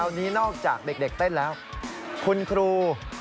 ตอนนี้นอกจากเด็กเต้นแล้วคุณครู